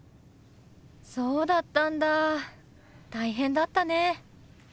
そうだったんだ大変だったね。